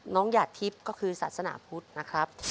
หยาดทิพย์ก็คือศาสนาพุทธนะครับ